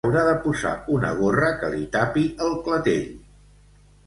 S'haurà de posar una gorra que li tapi el clatell